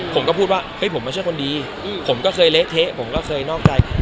ผมก็พูดว่าเฮ้ยผมไม่ใช่คนดีผมก็เคยเละเทะผมก็เคยนอกใจ